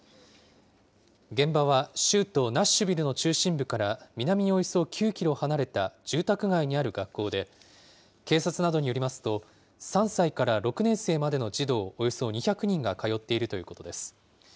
現場は州都ナッシュビルの中心部から南におよそ９キロ離れた住宅街にある学校で、警察などによりますと、３歳から６年生までの児童およそ２００人が通っているということです。